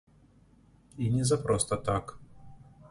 І не за проста так.